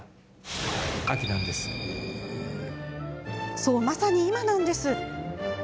そう、まさに今なんです。